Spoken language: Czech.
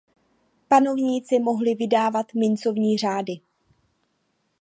Panovníci mohly vydávat mincovní řády.